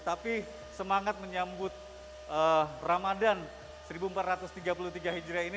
tapi semangat menyambut ramadan seribu empat ratus tiga puluh tiga hijriah ini